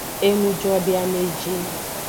Enujodeameji.